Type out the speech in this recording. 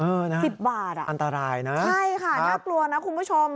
นะสิบบาทอ่ะอันตรายนะใช่ค่ะน่ากลัวนะคุณผู้ชม